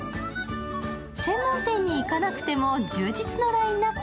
専門店に行かなくても充実のラインナップ。